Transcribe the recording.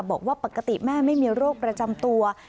บอกว่าปกติแม่ไม่มีโรคประจำตัว